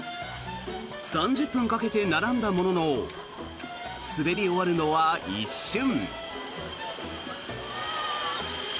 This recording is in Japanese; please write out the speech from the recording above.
３０分かけて並んだものの滑り終わるのは一瞬。